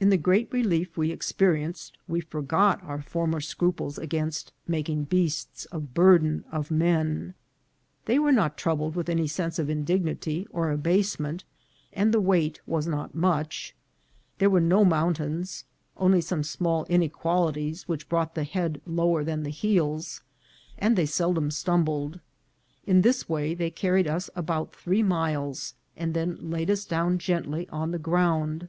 In the great relief we experienced we forgot our former scruples against making beasts of burden of men. They were not troubled with any sense of indignity or abasement, and the weight was not much. ANOTHER STATELY RESIDENCE. 407 There were no mountains ; only some little inequalities which brought the head lower than the heels, and they seldom stumbled. In this way they carried us about three miles, and then laid us down gently on the ground.